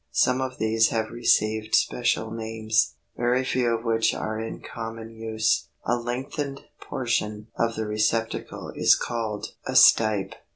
Some of these have received special names, very few of which are in common use. A lengthened portion of the receptacle is called A STIPE.